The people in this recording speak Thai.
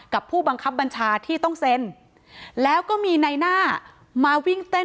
ผู้บังคับบัญชาที่ต้องเซ็นแล้วก็มีในหน้ามาวิ่งเต้น